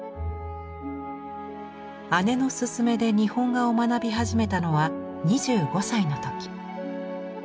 姉の勧めで日本画を学び始めたのは２５歳の時。